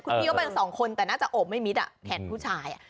คุณพี่ก็เป็นสองคนแต่น่าจะโอบไม่มิดอ่ะแขนผู้ชายอ่ะ